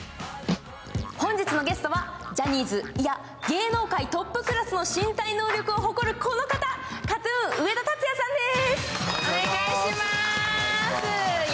本日のゲスト、ジャニーズ、いや、芸能界トップクラスの身体能力を誇る、この方ＫＡＴ−ＴＵＮ、上田竜也さんです。